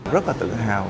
rất là tự hào